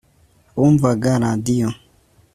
bumvaga radio